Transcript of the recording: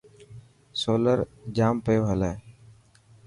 سولر جام پيو هلي.